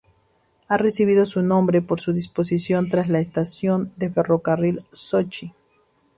Ha recibido su nombre por su disposición tras la estación de ferrocarril de Sochi.